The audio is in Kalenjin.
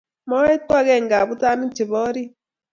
Moet ko agenge abutanik chebo orit